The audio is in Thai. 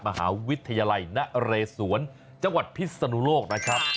มหาวิทยาลัยนเรศวรจังหวัดพิศนุโลกนะครับ